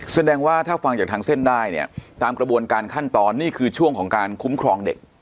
แสดงว่าถ้าฟังจากทางเส้นได้เนี่ยตามกระบวนการขั้นตอนนี่คือช่วงของการคุ้มครองเด็ก